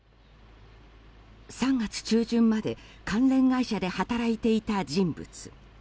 ３月中旬まで関連会社で働いていた人物。